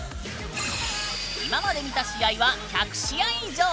今まで見た試合は１００試合以上。